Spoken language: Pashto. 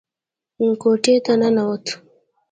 کوټې ته ننوت.